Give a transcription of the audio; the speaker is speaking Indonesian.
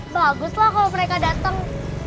bagus lah kalau mereka datang